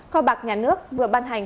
kho bạc nhà nước vừa ban hành